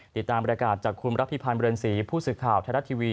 ติดตามบริการจากคุณรับพิพันธ์เรือนศรีผู้สื่อข่าวไทยรัฐทีวี